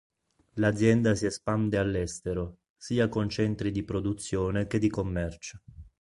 L'azienda si espande all'estero, sia con centri di produzione che di commercio.